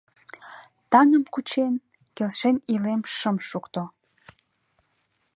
Таҥым кучен, келшен илен шым шукто.